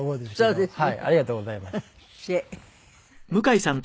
そうですね。